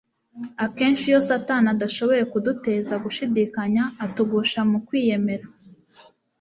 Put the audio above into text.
Akenshi, iyo Satani adashoboye kuduteza gushidikanya atugusha mu kwiyemera.